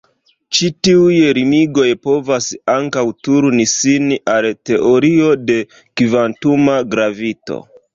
Ĉi tiuj limigoj povas ankaŭ turni sin al teorio de kvantuma gravito.